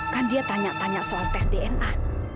kan dia tanya tanya soal tes dna